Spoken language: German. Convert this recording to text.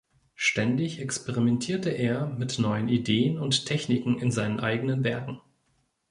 Ständig experimentierte er mit neuen Ideen und Techniken in seinen eigenen Werken.